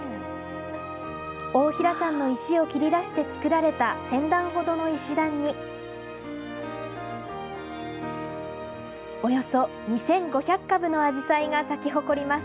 太平山の石を切り出して作られた１０００段ほどの石段に、およそ２５００株のあじさいが咲き誇ります。